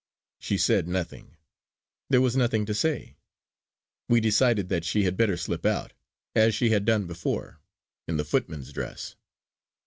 She said nothing; there was nothing to say. We decided that she had better slip out, as she had done before, in the footman's dress.